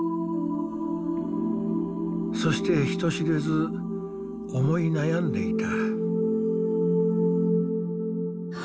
そして人知れず思い悩んでいた。